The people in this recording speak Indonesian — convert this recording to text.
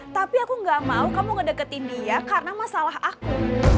tapi aku gak mau kamu ngedeketin dia karena masalah aku